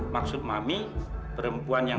maksud mami perempuan yang